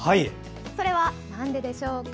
それは、なんででしょうか？